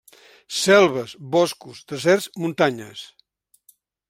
Selves, boscos, deserts, muntanyes.